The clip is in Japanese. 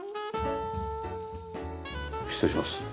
失礼します。